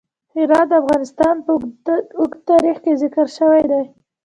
هرات د افغانستان په اوږده تاریخ کې ذکر شوی دی.